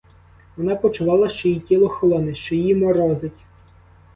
Вона почувала, що її тіло холоне, що її морозить.